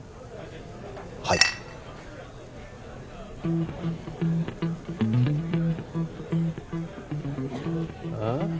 はいああ？